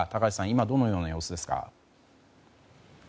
今どのような様子ですか？